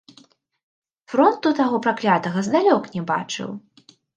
Фронту таго праклятага здалёк не бачыў.